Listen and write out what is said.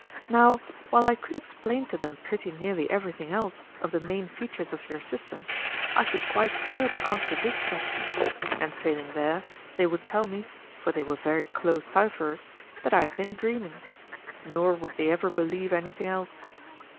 Now, while I could explain to them pretty nearly everything else of the main features of your system, I should quite fail to answer this question, and failing there, they would tell me, for they were very close cipherers, that I had been dreaming; nor would they ever believe anything else.